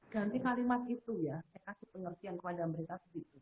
ganti kalimat itu ya saya kasih pengertian kepada mereka